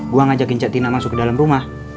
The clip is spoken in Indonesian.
gua ngajakin cak tina masuk ke dalam rumah